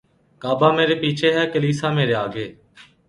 کعبہ مرے پیچھے ہے کلیسا مرے آگے